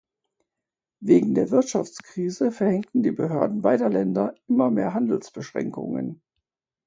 Wegen der Wirtschaftskrise verhängten die Behörden beider Länder immer mehr Handelsbeschränkungen.